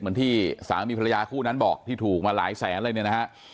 เหมือนที่สามีภรรยาคู่นั้นบอกที่ถูกมาหลายแสนอะไรเนี่ยนะฮะ